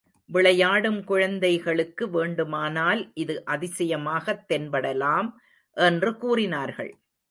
விளையாடும் குழந்தைகளுக்கு வேண்டுமானால் இது அதிசயமாகத் தென்படலாம் என்று கூறினார்கள்.